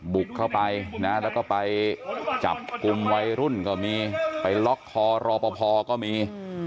บุกเข้าไปนะแล้วก็ไปจับกลุ่มวัยรุ่นก็มีไปล็อกคอรอปภก็มี